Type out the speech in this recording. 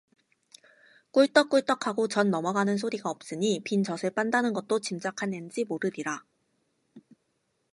꿀떡꿀떡 하고 젖 넘어가는 소리가 없으니 빈 젖을 빤다는 것도 짐작할는지 모르리라.